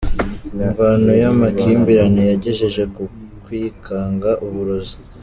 Imvano y’amakimbirane yagejeje ku kwikanga uburozi.